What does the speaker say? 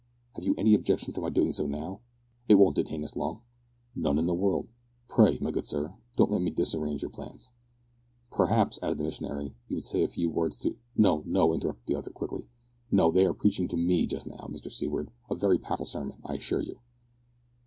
Have you any objection to my doing so now? It won't detain us long." "None in the world; pray, my good sir, don't let me disarrange your plans." "Perhaps," added the missionary, "you would say a few words to " "No, no," interrupted the other, quickly; "no, they are preaching to me just now, Mr Seaward, a very powerful sermon, I assure you."